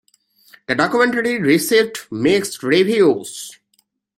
The documentary received mixed reviews.